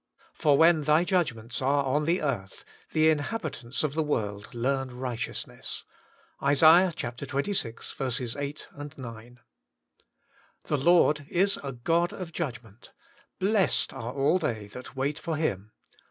for when Thy judgments are on the earth, the inhabitants of the world learn righteousness.' — IsA. xxvi. 8, 9. ' The Lord is a God of judgment : blessed are all they that wait for Him.'